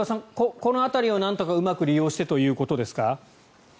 この辺りをなんとかうまく利用してということですか。